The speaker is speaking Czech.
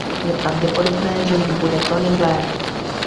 Je pravděpodobné, že jím bude Tony Blair.